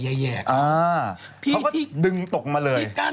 พี่ที่กั้นอ่ะเขาก็ดึงตกมาเลย